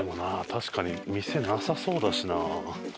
確かに店なさそうだしな。